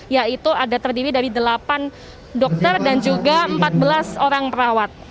yaitu ada terdiri dari delapan dokter dan juga empat belas orang perawat